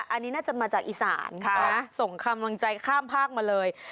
อันนี้น่าจะมาจากอีสานส่งกำลังใจข้ามภาคมาเลย